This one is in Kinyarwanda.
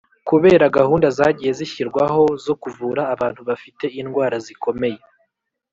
Kubera gahunda zagiye zishyirwaho zo kuvura abantu bafite indwara zikomeye